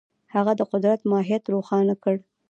هغه د قدرت ماهیت روښانه کړ.